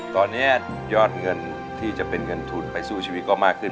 ตอนนี้ยอดเงินที่จะเป็นเงินทุนไปสู้ชีวิตก็มากขึ้น